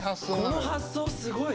この発想すごい！